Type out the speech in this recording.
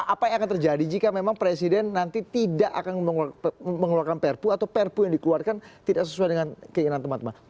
apa yang akan terjadi jika memang presiden nanti tidak akan mengeluarkan perpu atau perpu yang dikeluarkan tidak sesuai dengan keinginan teman teman